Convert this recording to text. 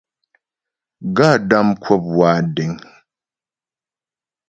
Gaə̌ də́ m kwə̂p wa deŋ.